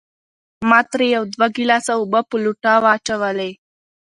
ما ترې يو دوه ګلاسه اوبۀ پۀ لوټه واچولې